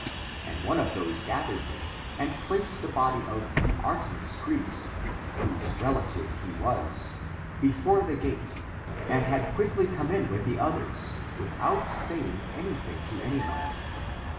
And one of those gathered there and placed the body of the Artemis priest, whose relative he was,^ before the gate, and had quickly come in with the others, with out saying anything to anyone.